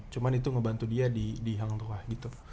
cuman itu ngebantu dia di hantuah gitu